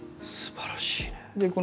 すばらしいね。